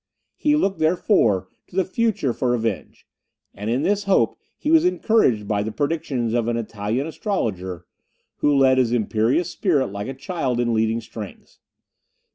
He looked, therefore, to the future for revenge; and in this hope he was encouraged by the predictions of an Italian astrologer, who led his imperious spirit like a child in leading strings.